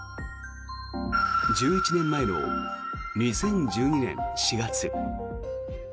１１年前の２０１２年４月。